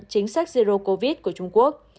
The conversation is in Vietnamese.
chính sách zero covid của trung quốc